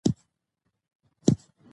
چې بیا وروسته د زور زیاتی او چنګیزي څپاو په